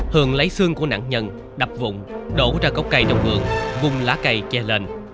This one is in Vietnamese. hường lấy xương của nạn nhân đập vụng đổ ra cốc cây trong vườn vùng lá cây che lên